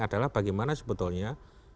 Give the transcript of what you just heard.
adalah bagaimana sebetulnya